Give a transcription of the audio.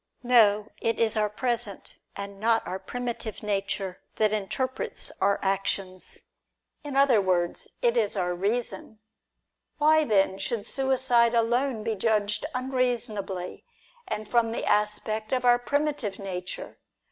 No, it is our present, and not our. primitive nature, that interprets our actions ; in other words, it is our reason. Why then should suicide alone be judged unreasonably, and from the aspect of our primitive nature